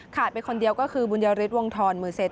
ไปคนเดียวก็คือบุญยฤทธิวงธรมือเซ็น